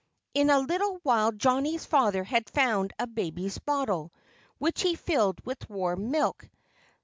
In a little while Johnnie's father had found a baby's bottle, which he filled with warm milk.